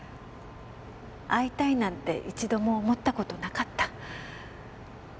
会いたいなんて一度も思った事なかった。